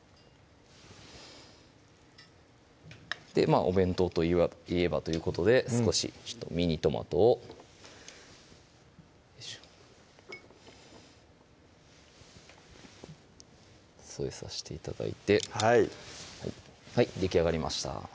まぁお弁当といえばということで少しミニトマトを添えさせて頂いてはいできあがりました